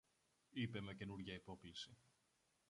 είπε με καινούρια υπόκλιση.